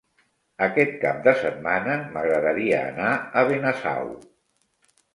Aquest cap de setmana m'agradaria anar a Benasau.